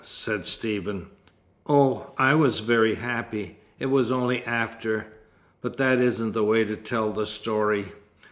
said Stephen. "Oh, I was very happy. It was only after but that isn't the way to tell the story.